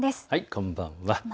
こんばんは。